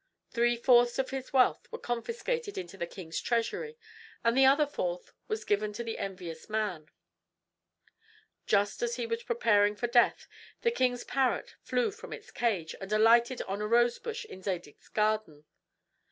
Three fourths of his wealth were confiscated into the king's treasury, and the other fourth was given to the envious man. Just as he was preparing for death the king's parrot flew from its cage and alighted on a rosebush in Zadig's garden.